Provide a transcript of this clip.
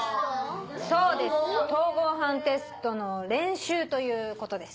そうです統合判テストの練習ということです。